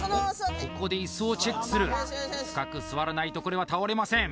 ここで椅子をチェックする深く座らないとこれは倒れません